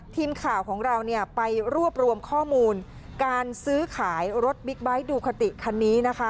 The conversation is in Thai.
ทีมข่าวของเราเนี่ยไปรวบรวมข้อมูลการซื้อขายรถบิ๊กไบท์ดูคาติคันนี้นะคะ